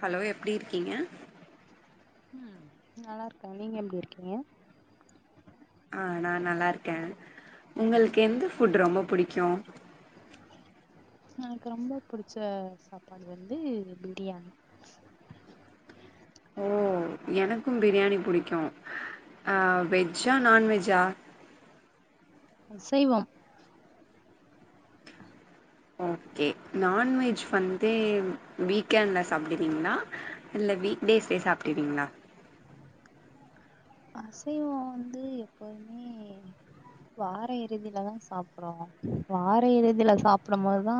hello எப்டி இருக்கீங்க ம் நல்லாருக்க நீங்க எப்டி இருக்கீங்க ஆ நா நல்லாருக்கே உங்களுக்கு எந்த ஃபுட் ரொம்ப புடிக்கு எனக்கு ரொம்ப புடிச்ச சாப்பாடு வந்து பிரியாணி எனக்கு பிரியாணி புடிக்கு வெஜ்ஜா நான்வெஜ்ஜா அசைவ ஓகே நான்வெஜ் வந்து வீக்கெண்ட்ல சாப்டுவீங்ளா இல்ல வீக் டேஸ்லே சாப்டுவீங்ளா அசைவ வந்து எப்போதுமே வார இறுதிலதா சாப்றோ வார இறுதில சாப்டு போதுதா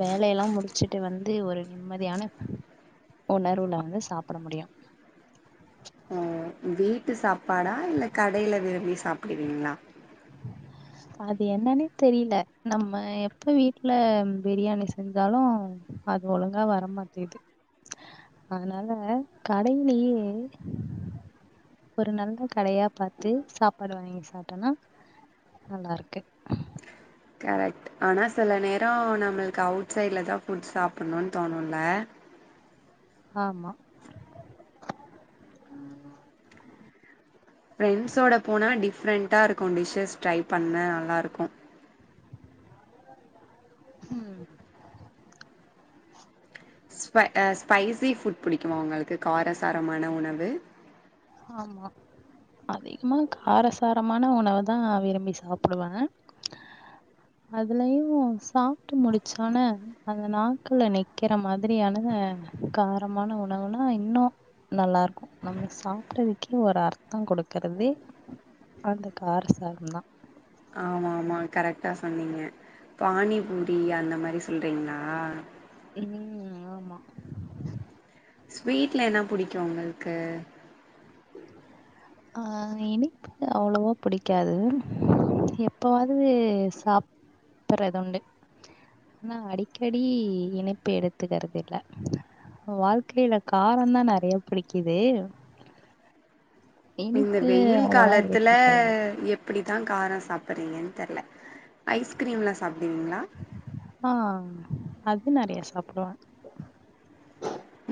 வேலையெல்லா முடிச்சுட்டு வந்து ஒரு நிம்மதியான உணர்வுல வந்து சாப்ட முடியு ஓ வீட்டு சாப்பாடா இல்ல கடைல விரும்பி சாப்டுவீங்ளா அது என்னனே தெரியல நம்ம எப்ப வீட்ல பிரியாணி செஞ்சாலு அது ஒழுங்கா வரமாட்டேது அதனால கடைலயே ஒரு நல்ல கடையா பாத்து சாப்பாடு வாங்கி சாப்ட்டனா நல்லாருக்கு கரெக்ட் ஆனா சில நேரம் நம்மளுக்கு அவுட் சைடுலதா ஃபுட் சாப்டணுன் தோணுல ஆமா ஃப்ரெண்ட்ஸோட போனா டிஃப்ரெண்ட்டா இருக்கு டிஷஸ் ட்ரை பண்ண நல்லாருக்கு ம் ஸ்பை ஸ்பைசி ஃபுட் புடிக்குமா உங்களுக்கு காரசாரமான உணவு ஆமா அதிகமா காரசாரமான உணவு தா விரும்பி சாப்டுவ அதுலயு சாப்ட்டு முடிச்றன அந்த நாக்குல நிக்கிற மாதிரியான காரமான உணவுனா இன்னு நல்லாருக்கு நம்ம சாப் அதுக்கே ஒரு அர்த்த குடுக்கறது அந்த காரசாரதா ஆமா ஆமா கரெக்டா சொன்னீங்க பானிபூரி அந்த மாரி சொல்றீங்ளா ம் ஆமா ஸ்வீட்ல என்ன புடிக்கு உங்களுக்கு [inaudible] அ இனிப் து அவ்ளவா புடிக்காது எப்பவாது சாப் பட்றதுண்டு ஆனா அடிக்கடி இனிப்பு எடுத்துகறதில்ல வாழ்க்கைல காரந்தா நெறைய பிடிக்குது இப்ப இந்த இனிப்பு வெயில் அவ்வளவா காலத்துல ஏத்துக்கறது எப் பிடிதா காரோ சாப்பட்றீங்கன் தெர்ல ஐஸ்கிரீம்லா சாப்டுவீங்ளா அ அது நெறையா சாப்டுவே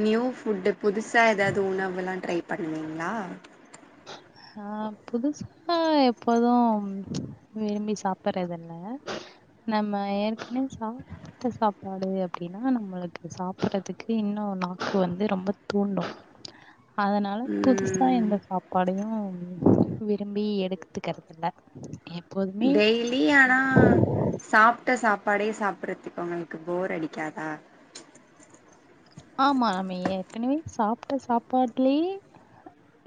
நியூ ஃபுட்டு புதுசா எதாவ்து உணவுல்லா ட்ரை பண்ணுவீங்ளா அ புதுசா எப்போது ம் விரும்பி சாப்பட்றதில்ல நம்ம ஏற்கனவே சாப் பிட்ட சாப்பாடு அப்டினா நம்மளுக்கு சாப்பட்றத்துக்கு இன்னு நாக்கு வந்து ரொம்ப தூண்டு [inaudible] அதனால புதுசா ம் எந்த சாப் பாடயு விரும்பி எடுத்துக்கறதில்ல எப்போதுமே டெய்லி ஆனா சாப்ட்ட சாப்பாடே சாப்பட்றத்துக் உங்களுக்கு போர் அடிக்காதா ஆமா நம்ம ஏற்கனவே சாப்ட்ட சாப்பாட்லயே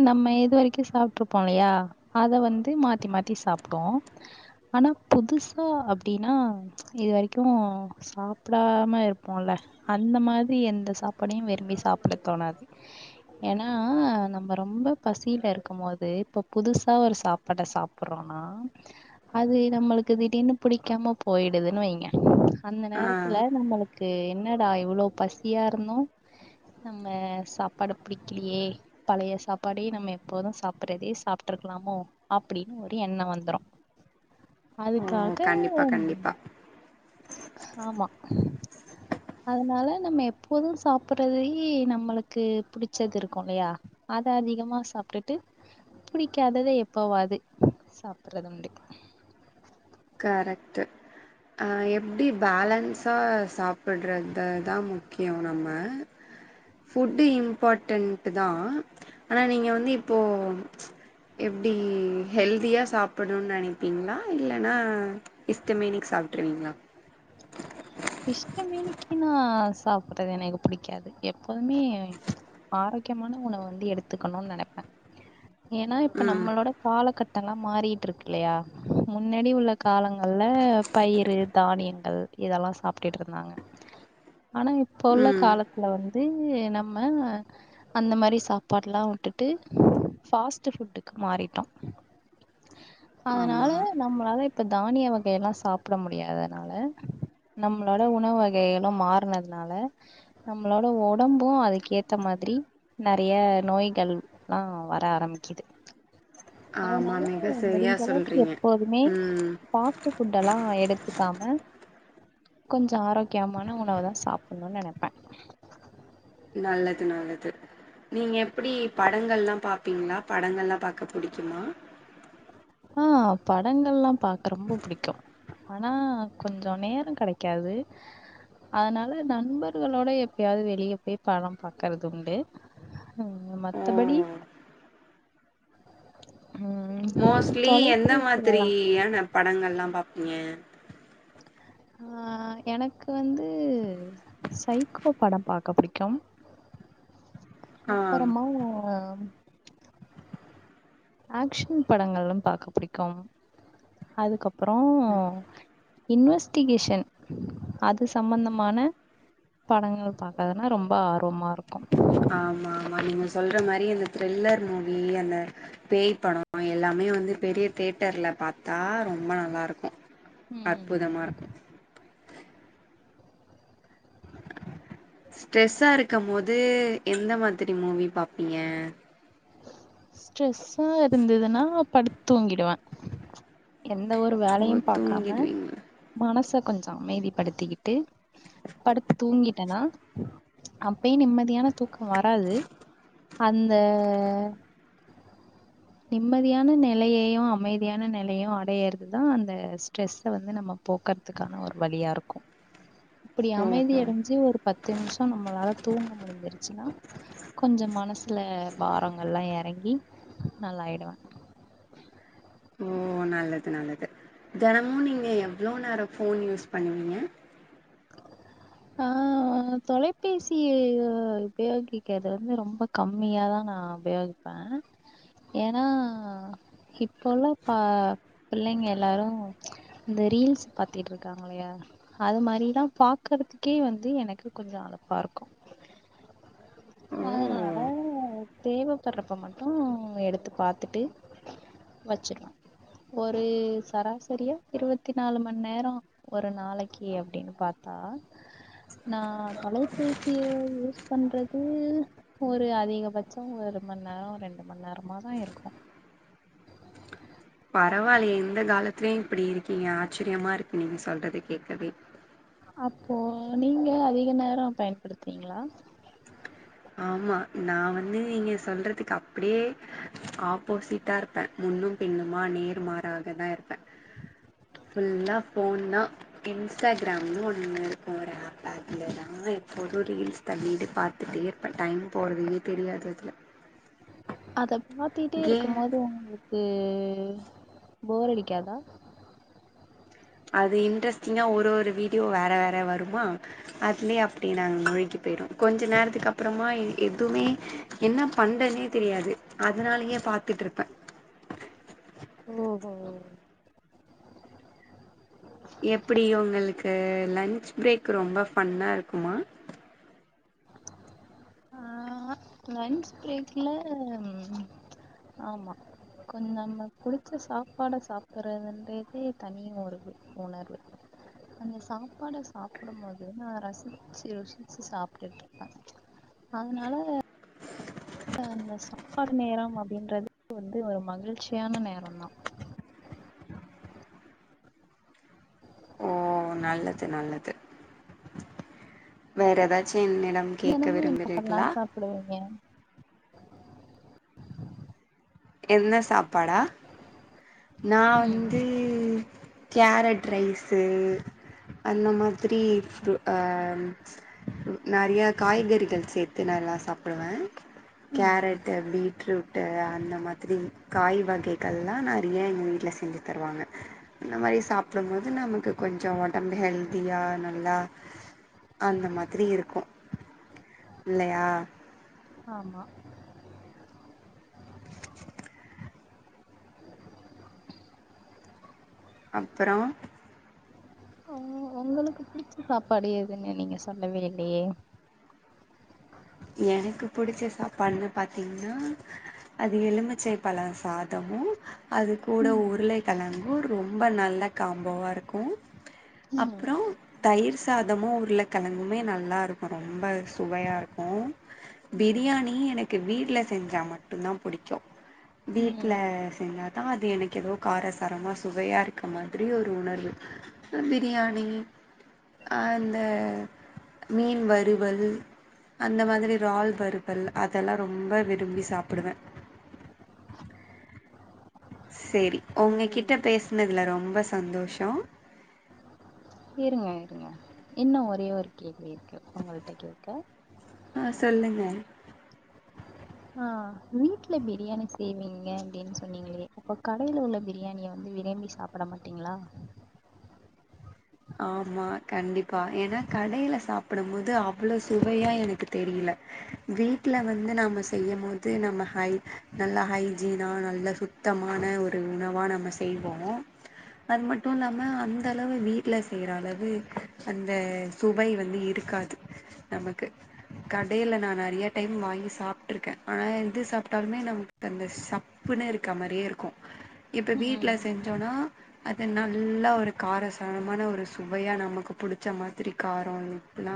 நம்ம இது வரைக்கு சாப்ட்ருப்போ இல்லயா அத வந்து மாத்தி மாத்தி சாப்புடுவோ ஆனா புதுசா அப்டினா இது வரைக்கு சாப்டாம இருப்போல்ல அந்த மாதிரி எந்த சாப்பாடயு விரும்பி சாப்பிட தோணாது ஏனா நம்ம ரொம்ப பசீல இருக்கும்மோது இப்ப புதுசா ஒரு சாப் பாட சாப்பட்றோனா அது நம்மளுக்கு திடீர்னு புடிக்காம போய்டுதுன் வெய்ங்க அந்த ஆ நேரத்துல நம்மளுக்கு என்னடா இவ்ளவ் பசியா இருந்து நம்ம சாப்பாடு பிடிக்கலியே பழைய சாப்பாடே நம்ம எப்போது சாப்பட்றதே சாப்ட்ருக்கலாமோ அப்பிடின் ஒரு எண்ணோ வந்துரு ஓ கண்டிப்பா கண்டிப்பா ஹாமா அதனால நம்ம எப்போது சாப்பட்றதுல்யே நம்மளுக்கு புடிச்சது இருக்கு இல்லயா அத அதிகமா சாப்ட்டுட்டு புடிக்காதத எப்பவாது சாப்பட்றதுண்டு கரெக்ட்டு அ எப்டி பேலன்ஸா சாப்பட்றது தா முக்கியோ நம்ம ஃபுட்டு இம்பாட்டன்ட்டு தா ஆனா நீங்க வந்து இப்போ எப்டி ஹெல்தியா சாப்பட்ணுன் நெனைப்பீங்ளா இல்ல னா இஷ்டமேனிக் சாப்ட்ருவீங்ளா [inaudible] இஷ்டமேனிக்குனா சாப்பட்றது எனக்கு புடிக்காது எப்போதுமே ஆரோக்கியமான உணவ வந்து எடுத்துக்கணுன் நெனைப்பே ஏனா இப்ப ம் நம்மளோட காலகட்டல்லா மாறிட்ருக்கு இல்லையா முன்னாடி உள்ள காலங்கள்ல பயிறு, தானியங்கள் இதெல்லா சாப்ட்டுட்ருந்தாங்க ஆனா இப்போ உள்ள ம் காலத்துல வந்து நம்ம அந்த மாரி சாப்பாட்லா உட்டுட்டு ஃபாஸ்ட்டு ஃபுட்டுக்கு மாறிட்டோ ஆமா அதனால நம்மளாலா இப்ப தானிய வகையெல்லா சாப்ட முடியாதனால நம்ளோட உணவு வகைகளும் மாற்னதுனால நம்ளோட ஒடம்பும் அதுக்கு ஏத்த மாதிரி நறைய நோய்கள் லா வர ஆரமிக்குது ஆமா அதனால மிக சரியா முடிஞ்ச அளவுக்கு சொல்றீங்க எப்போதுமே ம் பாத் ஸ்ட்புட் அல்லா எடுத்துக்காம கொஞ்ச ஆரோக்கியமான உணவதா சாப்புட்ணுன்னு நெனப்ப நல்லது நல்லது நீங்க எப்புடி படங்கள்லா பாப்பீங்ளா படங்கள்லா பாக்க புடிக்குமா அ படங்கள்லா பாக்க ரொம்ப புடிக்கு ஆனா கொஞ்ச நேர கெடைக்காது அதனால நண்பர்களோட எப்பயாது வெளிய போய் படம் பாக்கறது உண்டு ஓ மத்தபடி ஹ்ம் மோஸ்ட்லி எந்த மாத்திரியான படங்கள்லா பாப்பிங்க ஆ எனக்கு வந்து சைக்கோ படம் பாக்க புடிக்கும் ஆ அப்பறமா ஓ ஆக்ஷ்ன் படங்களும் பாக்கப்புடிக்கும் அதுக்கப்பற ம் இன்வெஸ்டிகேஷன் அது சம்மந்தமான படங்கள் பாக்கறதுனா ரொம்ப ஆர்வமா இருக்கு ஆமா ஆமா நீங்க சொல்ற மாரி அந்த த்ரில்லர் மூவி அந்த பேய் படொ எல்லாமே வந்து பெரிய தேட்டர்ல பாத்தா ரொம்ப நல்லாருக்கு ம் அற்புதமார்க் ஸ்ட்ரெஸ்சா இருக்கமோது எந்த மாதிரி மூவி பாப்பிங்க ஸ்ட்ரெஸ்சா ருந்துதுனா படுத் தூங்கிடுவ எந்த ஒரு ஓ வேலையும் பாக்காம தூங்கிடுவீங்க மனச கொஞ்ச அமைதிபடுத்திகிட்டு படுத்து தூங்கிட்டனா அப்பயு நிம்மதியான தூக்க வராது அந்த நிம்மதியான நெலையையு அமைதியான நெலையையு அடையற்து தா அந்த ஸ்ட்ரெஸ்ஸ வந்து நம்ம போக்க துக்கான ஒரு வழியாருக்கு இப்டி அமைதி ஓஹோ அடஞ்சு ஒரு பத்து நிமிஷ ப்ப நம்பளால தூங்க முடிஞ்சிருச்சுனா கொஞ்சோ மனசுல பாரம் நல்லா எறங்கி நல்லா ஆயிடுவாங் ஓ நல்லது நல்லது தெனமு நீங்க எவ்ளோ நேரொ ஃபோன் யூஸ் பண்ணுவீங்க அ அ தொலைபேசி உபயோகிக்கிறது ந்து ரொம்ப கம்மியா தா நா உபயோகி ப ஏனா ஹிப்போலா ப பிள்ளைங்க எல்லாரு இந்த ரீல்ஸ் பாத்திட்டுருக்காங்க இல்லையா அது மாரி லா பாக்கறதுக்கே வந்து எனக்கு கொஞ்சோ அலுப்பா இருக்கு அதனால ஓ தேவைப்பட்றப்ப மட்டு எடுத்து பாத்துட்டு வச்சுருவே ஒரு சராசரியா இருவத்தி நாலு மண் நேரோ ஒரு நாளைக்கு அப்டின்னு பாத்தா நா அலைபேசிய யூஸ் பண்றது ஒரு அதிகபட்சோ ஒரு மண் நேரோ ரெண்டு மண் நேரமாதா இருக்கு பரவாலயே இந்த காலத்துலயு இப்டி இருக்கீங்க ஆச்ரியமா இருக்கு நீங்க சொல்றத கேக்கவே அப்போ நீங்க அதிக நேரோ பயன்படுத்வீங்ளா ஆம்மா நா வந்து நீங்க சொல்றதுக்கு அப்டியே ஆப்போசிட்டா முன்னும் பின்னுமா நேர் மாறாக தா இருப்பே ஃபுல்லா போன்தா இன்ஸ்டாகிராம்னு ஒன்னு ஒரு ஆப் அதுலதா எப்போது ரீல்ஸ் பண்ணிட்டு பாத்துட்டே இப்போ டைம் போறதே தெரியாது அதுல அத பாத்திட்டே கேம் இருக்கும்போது ஒங்களுக் க்கு போரடிக்காதா அது இன்ட்ரெஸ்டிங்கா ஒரு ஒரு வீடியோ வேற வேற வருமா அதுலயே அப்டி நாங் முழுகி போயிர்வோ கொஞ்சோ நேரத்துக்கு அப்றமா எ எதுமே என்ன பண்றனே தெரியாது அதனாலயே பாத்துட்ருப்பே ஓஹோ எப்டி உங்களுக்கு லன்ச் பிரேக் ரொம்ப ஃபன்னா இருக்குமா ஆ லன்ச் பிரேக்ல ம் ஆம்மா கொஞ்சோ நம்ம புடுச்ச சாப்பாட சாப்ட்றதுன்றதே தனி ஒருது உணர்வு அந்த சாப்பாட சாப்டும்போது நா ரசிச்சு ருசிச்சு சாப் புட்டு [unintelligible] அதனால அப்றோ அந்த சாப்பாடு நேரம் அப்டின்றது வந்து ஒரு மகிழ்ச்சியான நேரந்தா ஓ நல்லது நல்லது வேற எதா ச்சு என்னிடம் கேக்க விரும்புகிறீர்களா சாப்டுவீங்க என்ன சாப்பாடா நா ம் வந்து கேரட் ரைஸு அந்த மாதிரி ப்ரு அன்ஸ் ம் நெறைய காய்கறிகள் சேத்து நல்லா சாப்டுவே ம் கேரட்டு பீட்ரூட்டு அந்த மாதிரி காய் வகைகள்லா நா அப்டியே எங்க வீட்ல செஞ்சு தருவாங்க அந்த மாரி சாப்டும்போது நமக்கு கொஞ்சோ ஒடம்பு ஹெல்த்தியா நல்லா அந்த மாதிரி இருக்கும் இல்லையா ஆமா அப்றோ ஒங் ஒங்களுக்கு புடிச்ச சாப்பாடு எதுன்னு நீங்க சொல்லவே இல்லயே எனக்கு புடுச்ச சாப்பாடுன்னு பாத்தீங்னா அது எலுமிச்சை பழ சாதமு அது கூட ம் உருளை கெழங்கு ரொம்ப நல்ல காம்போவா இருக்கு ம் அப்றோ தயிர் சாதமு உருள கெழங்குமே நல்லாருக்கு ரொம்ப சுவையா இரு க்கும் ம் பிரியாணி எனக்கு வீட்ல செஞ்சா மட்டுந்தா புடிக்கு ம் வீட்ல செஞ்சாதா அது எனக்கு எதோ காரசாரமா சுவையா இருக்க மாதிரி ஒரு உணர்வு பிரியாணி அந்த மீன் வறுவல் அந்த மாரி ரால் வறுத்தல் அதெல்லா ரொம்ப விரும்பி சாப்டுவே சேரி ஓ உங்ககிட்ட பேசுனதுல ரொம்போ சந்தோஷோ இருங்க இருங்க இன்னு ஒரே ஒரு கேள்வி இருக்கு உங்கள்ட்ட கேக்க ஆ சொல்லுங்க ஆ [inaudible] வீட்ல பிரியாணி செய்வீங்க அப்டின் சொன்னீங்களே அப்ப கடைல உள்ள பிரியாணிய வந்து விரும்பி சாப் பட மாட்டீங்களா ஆமா கண்டிப்பா ஏனா கடைல சாப்டும்போது அவ்ளவு சுவையா எனக்கு தெரியல வீட்ல வந்து நாம்ம செய்யும்போது நம்ம ஹை நல்லா ஹைஜினா நல்ல சு த்தமான ஒரு உணவா நம்ம செய்வோ அது மட்டு இல்லாம அந்தளவு வீ ட்ல செய்ற அளவு அந்த சுவை வந்து இருக்காது நமக்கு கடைல நா நெறைய டைம் வாங்கி சாப்ட்ருக்கே ஆனா எது சாப்ட்டாலுமே நமக் கு அந்த சப்புன்னு இருக்க மாரியே இருக்கு இப்ப வீட்ல ம் செஞ்சோன்னா அது நல்ல ஒரு கார தனமான ஒரு சுவையா நமக்கு புடிச்ச மாத்ரி காரோ உப்பெல்லா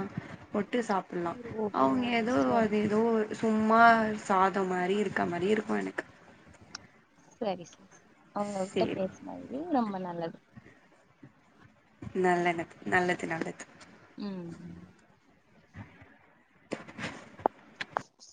போட்டு சாப் பட்லா ஓஹோ அவ்ங்க எதோ சரி அது எதோ சும்மா சாதோ மாரி இருக்க மாரி இருக்கு எனக்கு செரி செரி உங்கள்ட்ட சேரி பேசு [unintelligible] ரொம்ப நல்லது நல்லது நல்லது நல்லது ம் ம்